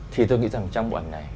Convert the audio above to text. thì tôi nghĩ rằng trong bộ ảnh này